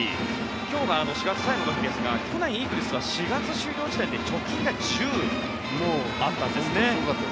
今日は４月最後の日ですが去年、イーグルスは４月終了時点で貯金が１０あったんですね。